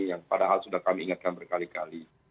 yang padahal sudah kami ingatkan berkali kali